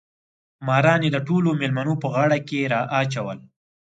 ماران یې د ټولو مېلمنو په غاړو کې راچول.